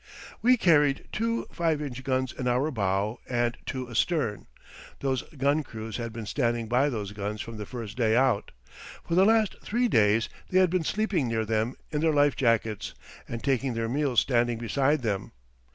We carried two 5 inch guns in our bow and two astern. Those gun crews had been standing by those guns from the first day out. For the last three days they had been sleeping near them in their life jackets and taking their meals standing beside them.